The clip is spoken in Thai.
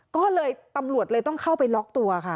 ก็เลยตำรวจเลยต้องเข้าไปล็อกตัวค่ะ